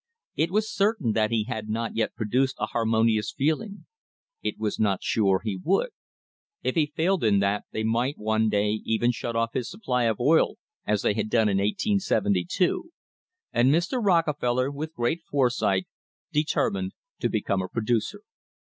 It was certain that he had not yet produced a "harmonious feeling." It was not sure he would. If he failed in that they might one day even shut off his supply of oil, as they had done in 1872, and Mr. Rockefeller, with great foresight, determined to become a producer.